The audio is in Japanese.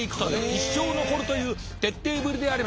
一生残るという徹底ぶりであります。